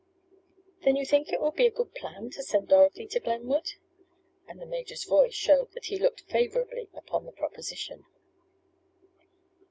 "Then you think it would be a good plan to send Dorothy to Glenwood?" and the major's voice showed that he looked favorably upon the proposition.